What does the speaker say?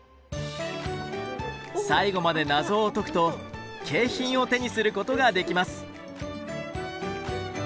最後まで謎を解くと景品を手にすることができます。